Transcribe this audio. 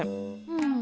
うん。